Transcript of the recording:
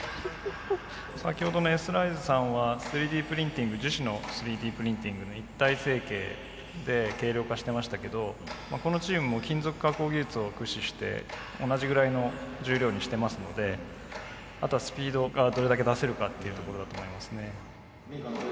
先ほどのＳライズさんは３Ｄプリンティング樹脂の３Ｄプリンティングの一体成形で軽量化してましたけどこのチームも金属加工技術を駆使して同じぐらいの重量にしてますのであとはスピードがどれだけ出せるかっていうところだと思いますね。